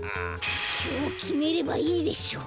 きょうきめればいいでしょ！